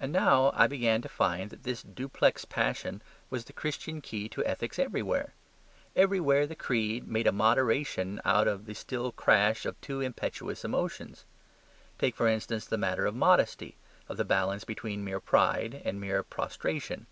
And now I began to find that this duplex passion was the Christian key to ethics everywhere. Everywhere the creed made a moderation out of the still crash of two impetuous emotions. Take, for instance, the matter of modesty, of the balance between mere pride and mere prostration.